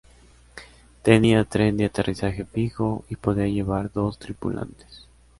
Tenía tren de aterrizaje fijo y podía llevar dos tripulantes.